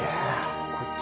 こっち。